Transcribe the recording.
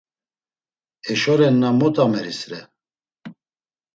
Eşorenna mot ameris re?